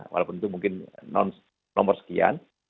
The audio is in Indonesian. walaupun itu mungkin nomor sekian